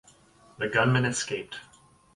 The gunmen escaped.